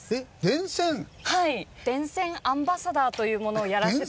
電線アンバサダーというものをやらせて。